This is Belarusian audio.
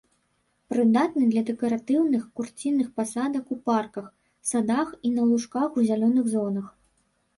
Прыдатны для дэкаратыўных, курцінных пасадак у парках, садах і на лужках у зялёных зонах.